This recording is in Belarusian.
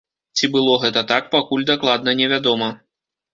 Ці было гэта так, пакуль дакладна невядома.